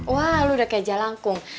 wah lu udah kayak jalan kong